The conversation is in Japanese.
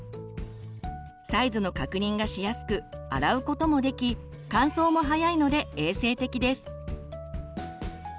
サイズの確認がしやすく洗うこともでき乾燥もはやいので衛生的です。